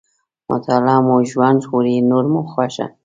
مطالعه مو ژوند ژغوري، نور مو خوښه.